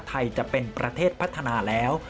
ไทยจะเป็นประเทศพัฒนาแล้ว